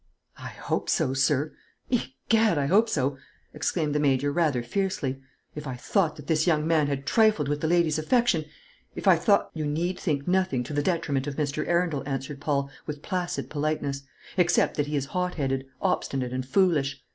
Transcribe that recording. "I hope so, sir; egad, I hope so!" exclaimed the Major, rather fiercely. "If I thought that this young man had trifled with the lady's affection; if I thought " "You need think nothing to the detriment of Mr. Arundel," answered Paul, with placid politeness, "except that he is hot headed, obstinate, and foolish.